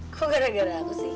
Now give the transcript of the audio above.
kok gara gara aku sih